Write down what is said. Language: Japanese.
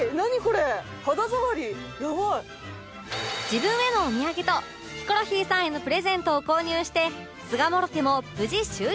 自分へのお土産とヒコロヒーさんへのプレゼントを購入して巣鴨ロケも無事終了